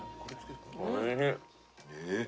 おいしい。